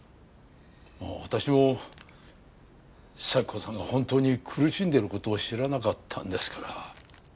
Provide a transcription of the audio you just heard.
私もサキ子さんが本当に苦しんでいる事を知らなかったんですから。